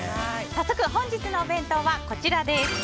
早速、本日のお弁当はこちらです。